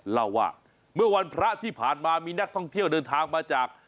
เล่าว่าเมื่อวันพระที่ผ่านมามีนักท่องเที่ยวเดินทางมาจาก